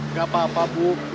nggak apa apa bu